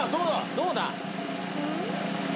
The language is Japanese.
どうだ？